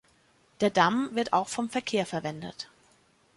Der Damm wird auch vom Verkehr verwendet.